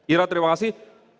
ira terima kasih